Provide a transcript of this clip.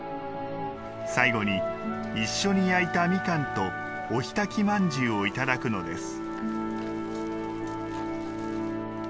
最後に一緒に焼いたみかんとお火焚きまんじゅうをいただくのです。